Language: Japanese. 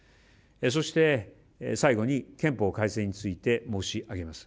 そして、最後に憲法改正について申し上げます。